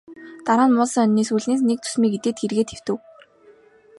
Дараа нь муулсан хонины сүүлнээс нэг зүсмийг идээд эргээд хэвтэв.